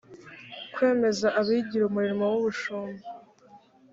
kwemeza abigira umurimo w ubushumba